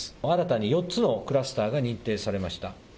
新たに４つのクラスターが認定されました。